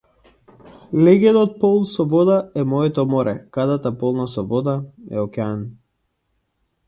Леѓенот полн со вода е моето море, кадата полна со вода е океан.